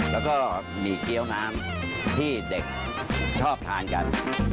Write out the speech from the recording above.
แล้วก็หมี่เกี้ยวน้ำที่เด็กชอบทานกัน